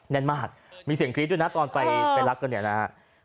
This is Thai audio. แน่นมากมีเสียงคลิกด้วยนะก่อนไปรับกันเนี่ยนะครับ